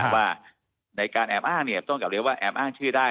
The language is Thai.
ว่าในการแอบอ้างต้องกลับเรียนว่าแอบอ้างชื่อได้